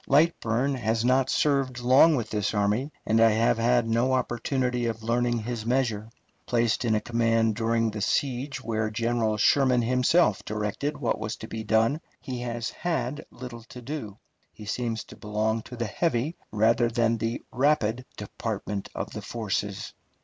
Lightburne has not served long with this army, and I have had no opportunity of learning his measure. Placed in a command during the siege where General Sherman himself directed what was to be done, he has had little to do. He seems to belong to the heavy rather than the rapid department of the forces.